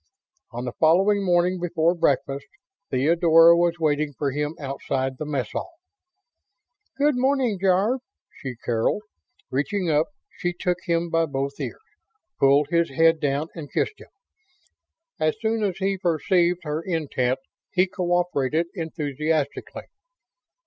On the following morning, before breakfast, Theodora was waiting for him outside the mess hall. "Good morning, Jarve," she caroled. Reaching up, she took him by both ears, pulled his head down and kissed him. As soon as he perceived her intent, he cooperated enthusiastically.